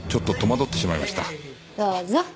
どうぞ。